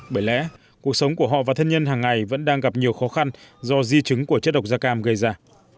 bởi lẽ cuộc sống của họ và thân nhân hàng ngày vẫn đang gặp nhiều khó khăn do di chứng của chất độc da cam gây ra